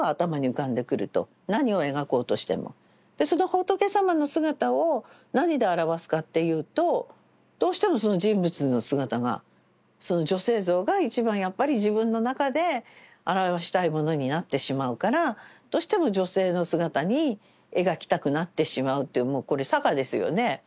その仏様の姿を何で表すかっていうとどうしてもその人物の姿が女性像が一番やっぱり自分の中で表したいものになってしまうからどうしても女性の姿に描きたくなってしまうというもうこれさがですよね。